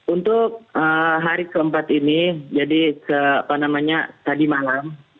untuk hari keempat ini jadi tadi malam